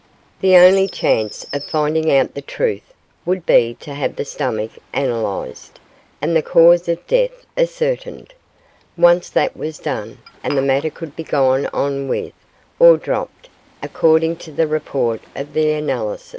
The only chance of finding out the truth would be to have the stomach analysed, and the cause of death ascertained; once that was done, and the matter could be gone on with, or dropped, according to the report of the analyst.